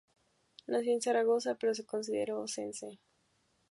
Nació en Zaragoza, pero se consideró oscense.